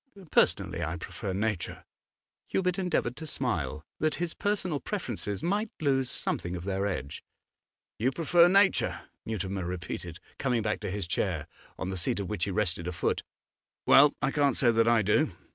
Personally, I prefer nature.' Hubert endeavoured to smile, that his personal preferences might lose something of their edge. 'You prefer nature,' Mutimer repeated, coming back to his chair, on the seat of which he rested a foot. 'Well, I can't say that I do.